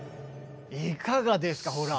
いかがですかほら。